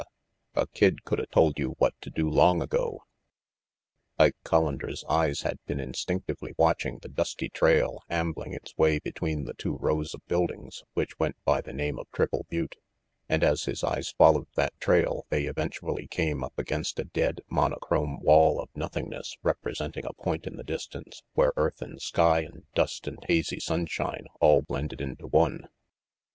A kid coulda told you what to do long ago." 8 RANGY PETE Ike Collander's eyes had been instinctively watch ing the dusty trail ambling its way between the two rows of buildings which went by the name of Triple Butte, and as his eyes followed that trail they eventually came up against a dead, monochrome wall of nothingness representing a point in the distance where earth and sky and dust and hazy sunshine all blended into one.